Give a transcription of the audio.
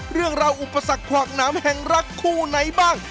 เรื่องราวอุปสรรคขวากน้ำแห่งรักคู่ไหนบ้าง